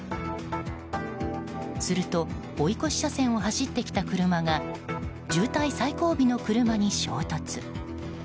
すると追い越し車線を走ってきた車が渋滞最後尾の車に衝突。